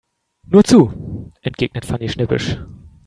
Nur zu, entgegnet Fanny schnippisch.